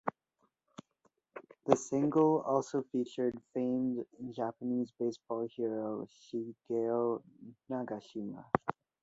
The single also featured famed Japanese baseball hero Shigeo Nagashima.